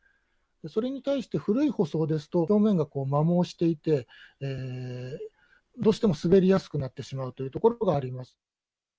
それに対して、古い舗装ですと、表面が摩耗していて、どうしても滑りやすくなってしまうというところがあります。